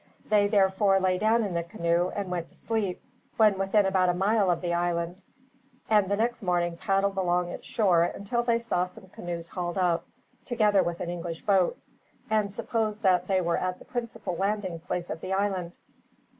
They therefore lay down in the canoe and went to sleep, when within about a mile of the island; and the next morning paddled along its shore until they saw some canoes hauled up, together with an English boat, and supposed that they were at the principal landing place of the island.